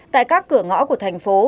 tại các cửa ngõ của thành phố